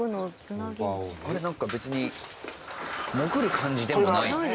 なんか別に潜る感じでもない。